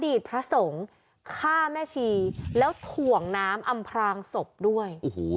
อดีตพระสงฆ์ฆ่าแม่ฉีย์แล้วถ่วงน้ำอำพรางศพด้วย